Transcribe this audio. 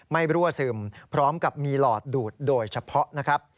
รั่วซึมพร้อมกับมีหลอดดูดโดยเฉพาะนะครับ